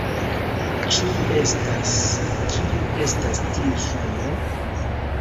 Ĉu estas... kio estas tiu sono?